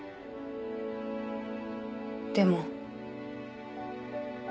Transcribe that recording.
でも。